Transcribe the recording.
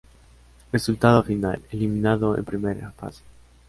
Resultado final: Eliminado en primera fase.